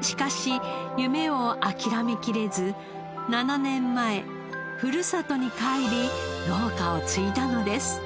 しかし夢を諦めきれず７年前ふるさとに帰り農家を継いだのです。